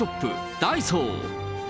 ダイソー。